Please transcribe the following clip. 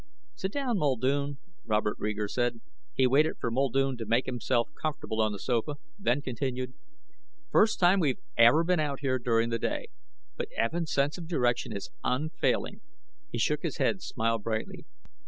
"Sit down, Muldoon," Robert Reeger said. He waited for Muldoon to make himself comfortable on the sofa, then continued: "First time we've ever been out here during the day. But Evin's sense of direction is unfailing." He shook his head, smiled brightly.